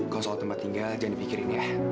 kalau soal tempat tinggal jangan dipikirin ya